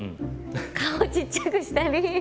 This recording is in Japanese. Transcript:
顔ちっちゃくしたり。